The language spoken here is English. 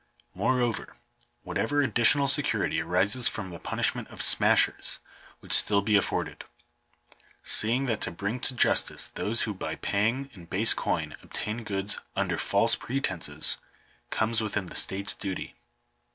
Moreover, whatever additional security arises from the punishment of "smashers" would still be afforded; seeing that to bring to justice those who by paying in base coin obtain goods "under false pretences," comes within the state's duty.